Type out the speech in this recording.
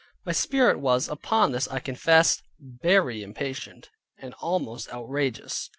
My spirit was, upon this, I confess, very impatient, and almost outrageous.